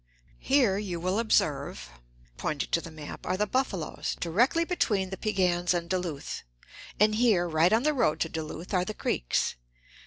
Here, you will observe (pointing to the map), are the buffaloes, directly between the Piegans and Duluth; and here, right on the road to Duluth, are the Creeks.